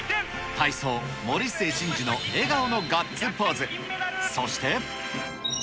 体操、森末慎二の笑顔のガッツポーズ。